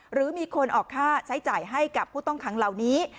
หรือมีคนออกค่าใช้จ่ายให้กับผู้ต้องขังเหล่านี้